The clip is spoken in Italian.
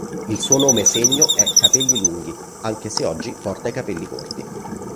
Il suo nome segno è "capelli lunghi", anche se oggi porta i capelli corti.